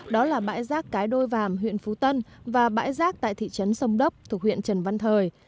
đó là bãi rác cái đôi vàm huyện phú tân và bãi rác tại thị trấn sông đốc thuộc huyện trần văn thời